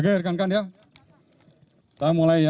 oke rekan rekan ya saya mulai ya